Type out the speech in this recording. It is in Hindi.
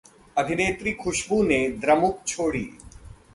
अभिनेत्री खुशबू ने द्रमुक छोड़ी